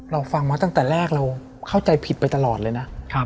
เราฟังมาตั้งแต่แรกเราเข้าใจผิดไปตลอดเลยนะ